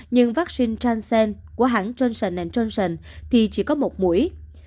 nhưng vaccine transcend của hãng johnson johnson thì chỉ có một mũi